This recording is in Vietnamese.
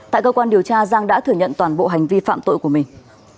tại công an điều tra giang đã thừa nhận toàn bộ hành vi phạm tội của mình